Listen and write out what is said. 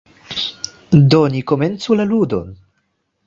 Do, komencu la ludon!